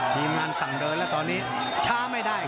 ทีมงานสั่งเดินแล้วตอนนี้ช้าไม่ได้